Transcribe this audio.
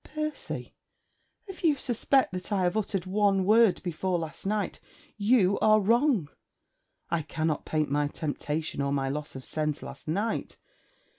'Percy, if you suspect that I have uttered one word before last night, you are wrong. I cannot paint my temptation or my loss of sense last night.